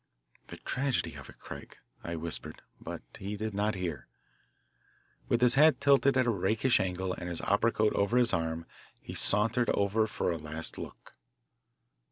"The tragedy of it, Craig," I whispered, but he did not hear. With his hat tilted at a rakish angle and his opera coat over his arm he sauntered over for a last look.